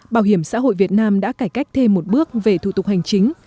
bảo hiểm xã hội việt nam đã cải cách thêm một bước về thủ tục hành chính